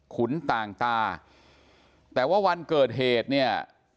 ขุนต่างตาแต่ว่าวันเกิดเหตุเนี่ย